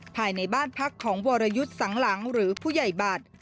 ภายในบ้านพักของวรยุทธ์สังหลังหรือผู้ใหญ่บัตร